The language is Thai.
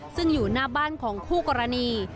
ซึ่งอยู่หน้าบ้านของคู่กรณี